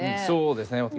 そうですね。